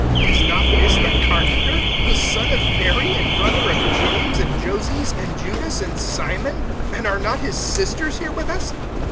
(3)Is not this the carpenter, the son of Mary, and brother of James, and Joses, and Judas, and Simon? And are not his sisters here with us?